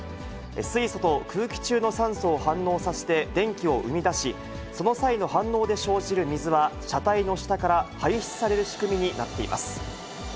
水素と空気中の酸素を反応させて電気を生み出し、その際の反応で生じる水は、車体の下から排出される仕組みになっています。